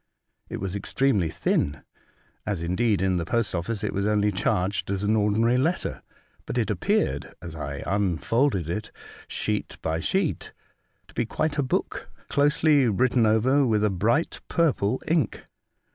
It was extremely thin, as, indeed, in the Post office it was only charged as an ordinary letter ; but it appeared, as I unfolded it, sheet by sheet, to be quite a book, closely written over with a bright purple ink.